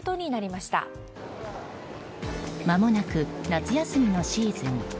まもなく夏休みのシーズン。